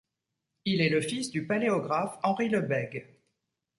Il est le fils du paléographe Henri Lebègue.